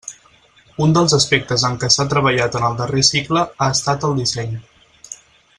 Un dels aspectes en què s'ha treballat en el darrer cicle ha estat el disseny.